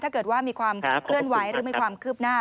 ถ้าเกิดว่ามีความเคลื่อนไหวหรือมีความคืบหน้า